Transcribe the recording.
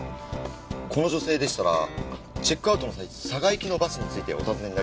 この女性でしたらチェックアウトの際嵯峨行きのバスについてお訪ねになりました。